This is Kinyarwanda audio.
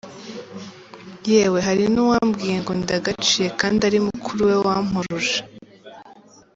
Yewe hari nuwambwiye ngo ndagaciye kandi ari mukuru we wampuruje!